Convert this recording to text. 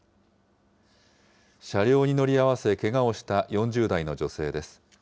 車両に乗り合わせけがをした４０代の女性です。